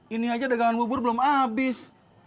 ini aja dagangan bubur belum habis